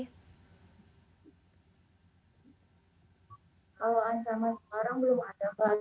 kalau ancaman sekarang belum ada pak